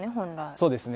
そうですね。